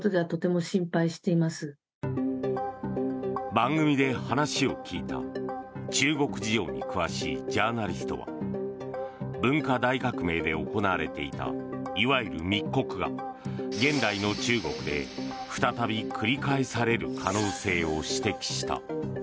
番組で話を聞いた中国事情に詳しいジャーナリストは文化大革命で行われていたいわゆる密告が現代の中国で再び繰り返される可能性を指摘した。